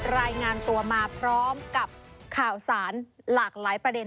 รายงานตัวมาพร้อมกับข่าวสารหลากหลายประเด็น